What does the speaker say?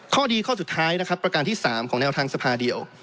ข้อดีข้อสุดท้ายนะครับประการที่๓ของแนวทางสภาเดียว